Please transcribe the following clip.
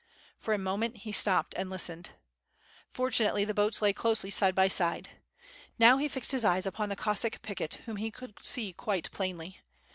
For a moment he stopped and listened. For tunately the boats lay closely side by side. Now he fixed his eyes upon the Cossack picket whom he could see quite plainly.